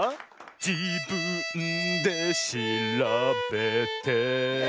「じぶんでしらべて」